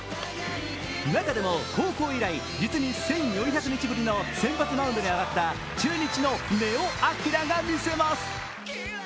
中でも、高校以来、実に１４００日ぶりの先発マウンドに上がった中日の根尾昂が見せます。